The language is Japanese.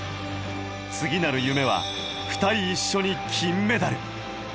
次なる夢は２人一緒に金メダル。